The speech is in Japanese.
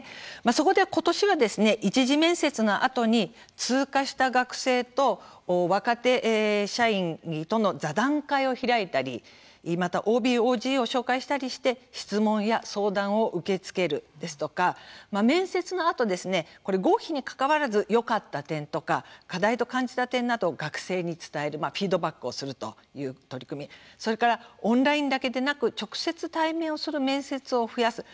そこでことしは一次面接のあとに通過した学生と若手社員との座談会などを開いたりまたＯＢ、ＯＧを紹介したりして質問や相談を受け付けるですとか面接のあと合否にかかわらずよかった点とか課題と感じた点などを学生に伝えるフィードバックをするという取り組みそれからオンラインだけでなく直接対面する面接を増やす。